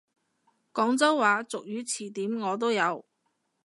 廣州話俗語詞典我都有！